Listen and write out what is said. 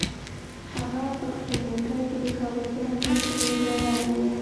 هغه په خپل موټر کې د کابل پوهنتون په لور روان و.